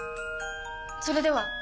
それでは！